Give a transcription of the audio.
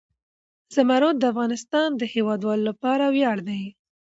زمرد د افغانستان د هیوادوالو لپاره ویاړ دی.